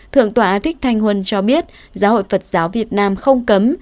thượng tọa thích thanh huân cho biết giáo hội phật giáo việt nam không cấm